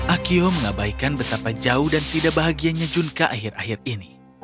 akio mengabaikan betapa jauh dan tidak bahagianya junka akhir akhir ini